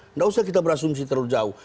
tidak usah kita berasumsi terlalu jauh